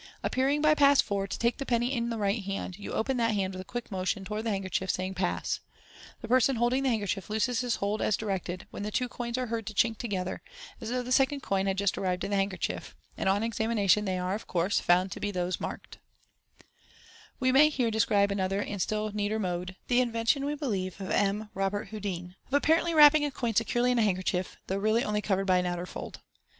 Appearing, by Pass 4, to take the penny in the right hand, you open that hand with a quick motion towards the handkerchief, saying, " Pass !" The person holding the handkerchief looses his hold, as directed, when the two coins are heard to chink together, as though the second coin had just arrived in the handkerchief, and on examination they are, of course, found to be those marked. Fig. 77. MODERN MAGIC. 167 We may here describe another and still neater mode (the inven tion, we believe, of M. Robert Houdin) of apparently wiapping a coin securely in a handkerchief, though really only covered by an outer fold.